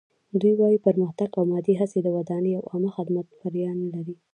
دوی وايي پرمختګ او مادي هڅې د ودانۍ او عامه خدماتو بریا نه لري.